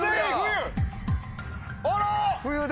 あら！